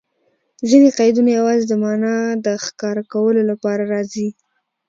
ځیني قیدونه یوازي د مانا د ښکاره کولو له پاره راځي.